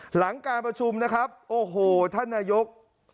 หลังการประชุมนะครับโอ้โหท่านนายก